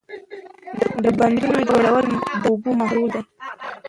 د بندونو جوړول د اوبو مهارول دي.